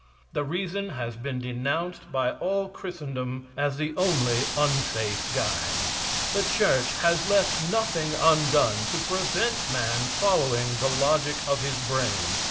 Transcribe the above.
The reason has been denounced by all Christendom as the only unsafe guide. The church has left nothing undone to prevent, man following the logic of his brain.